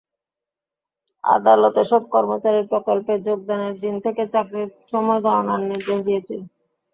আদালত এসব কর্মচারীর প্রকল্পে যোগদানের দিন থেকে চাকরির সময় গণনার নির্দেশ দিয়েছিলেন।